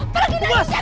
pergi dari sini